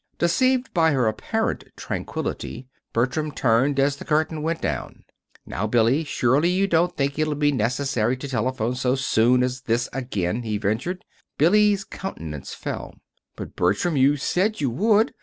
Deceived by her apparent tranquillity, Bertram turned as the curtain went down. "Now, Billy, surely you don't think it'll be necessary to telephone so soon as this again," he ventured. Billy's countenance fell. "But, Bertram, you said you would!